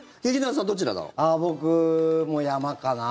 僕も山かな。